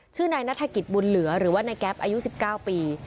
นายนัฐกิจบุญเหลือหรือว่านายแก๊ปอายุ๑๙ปี